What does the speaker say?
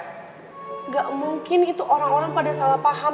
tidak mungkin itu orang orang pada salah paham